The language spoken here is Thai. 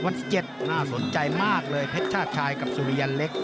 ที่๗น่าสนใจมากเลยเพชรชาติชายกับสุริยันเล็ก